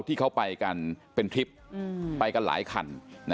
ที่เขาไปกันเป็นทริปไปกันหลายคัน